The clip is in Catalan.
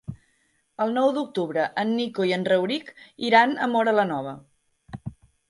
El nou d'octubre en Nico i en Rauric iran a Móra la Nova.